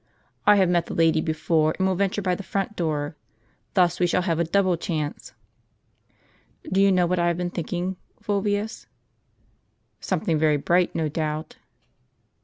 I have met the lady before, and will venture by the front door. Thus we shall have a double chance." " Do you know what I am thinking, Fulvius ?"" Something very bright, no doubt."